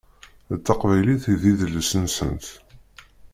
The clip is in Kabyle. D taqbaylit i d idles-nsent.